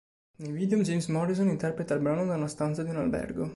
Nel video James Morrison interpreta il brano da una stanza di un albergo.